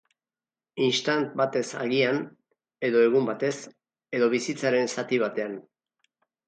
Instant batez agian, edo egun batez, edo bizitzaren zati batean.